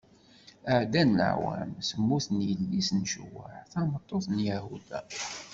Ɛeddan leɛwam, temmut yelli-s n Cuwaɛ, tameṭṭut n Yahuda.